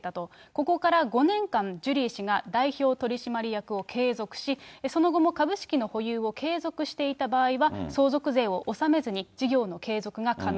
ここから５年間、ジュリー氏が代表取締役を継続し、その後も株式の保有を継続していた場合は、相続税を納めずに、事業の継続が可能。